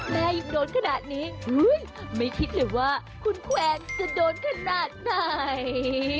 แม่ยังโดนขนาดนี้ไม่คิดเลยว่าคุณแควร์จะโดนขนาดไหน